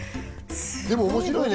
でも面白いね。